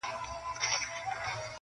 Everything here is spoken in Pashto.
پر حقیقت به سترگي وگنډي خو,